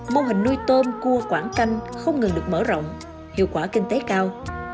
mô hình nuôi tôm cua quảng canh không ngừng được mở rộng hiệu quả kinh tế cao